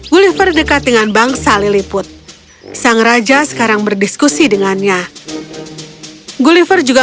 gulliver dekat dengan bangsa liliput sang raja sekarang berdiskusi dengannya gulliver juga